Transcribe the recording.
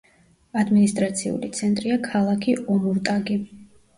ადმინისტრაციული ცენტრია ქალაქი ომურტაგი.